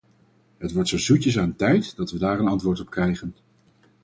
Het wordt zo zoetjes aan tijd dat we daar een antwoord op krijgen.